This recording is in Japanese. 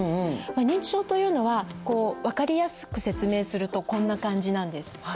認知症というのは分かりやすく説明するとこんな感じなんです。